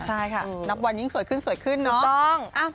ใช่ค่ะนับวันยิ่งสวยขึ้นเนาะ